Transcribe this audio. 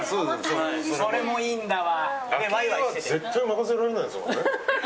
それもいいんだわ。